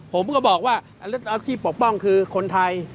ผมก็บอกว่าที่ปกป้องคือคนไทย